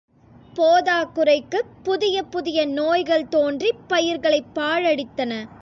போதாக் குறைக்குப் புதிய புதிய நோய்கள் தோன்றிப் பயிர்களைப் பாழடித்தன.